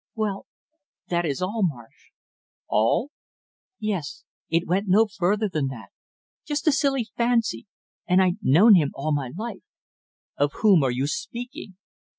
"Well, that is all, Marsh." "All?" "Yes, it went no further than that, just a silly fancy, and I'd known him all my life " "Of whom are you speaking?"